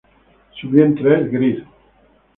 Su vientre es gris.